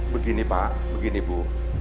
begini pak begini bu